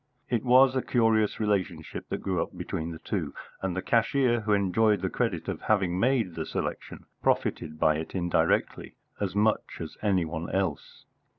It was a curious relationship that grew up between the two, and the cashier, who enjoyed the credit of having made the selection, profited by it indirectly as much as any one else.